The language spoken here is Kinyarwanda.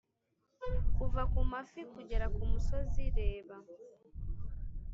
kuva ku mafi kugera kumusozi! reba: